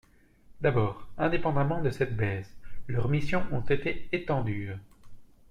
D’abord, indépendamment de cette baisse, leurs missions ont été étendues.